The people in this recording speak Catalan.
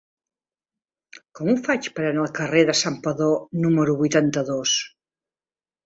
Com ho faig per anar al carrer de Santpedor número vuitanta-dos?